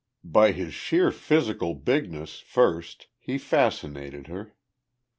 By his sheer physical bigness, first, he fascinated her.